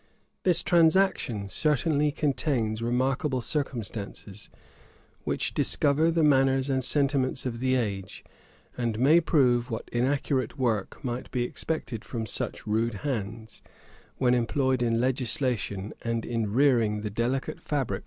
[] This transaction certainly contains remarkable circumstances, which discover the manners and sentiments of the age; and may prove what inaccurate work might be expected from such rude hands, when employed in legislation, and in rearing the delicate fabric of laws and a constitution.